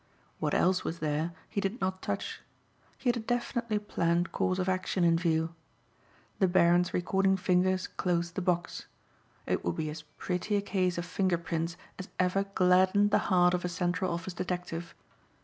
What else was there he did not touch. He had a definitely planned course of action in view. The Baron's recording fingers closed the box. It would be as pretty a case of finger prints as ever gladdened the heart of a central office detective.